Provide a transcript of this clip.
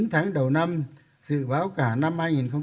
chín tháng đầu năm dự báo cả năm hai nghìn một mươi chín